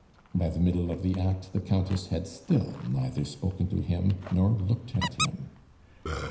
By the middle of the act the Countess had still neither spoken to him nor looked at him.